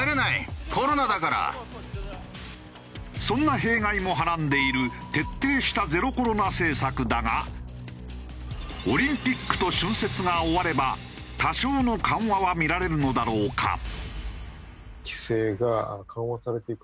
そんな弊害もはらんでいる徹底したゼロコロナ政策だがオリンピックと春節が終われば多少の緩和は見られるのだろうか？